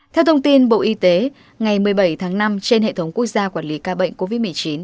theo thông tin bộ y tế ngày một mươi bảy tháng năm trên hệ thống quốc gia quản lý ca bệnh covid một mươi chín